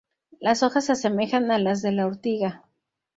Las hojas se asemejan a las de la ortiga.